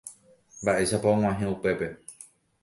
Mba'éichapa og̃uahẽ upépe.